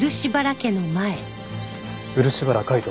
漆原海斗